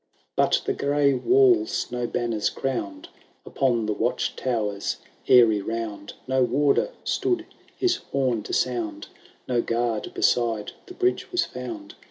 But the gray walls no banners crown 'd, Upon the watch tower's airy round No warder stood his horn to sound. No guard beside the bridge was found.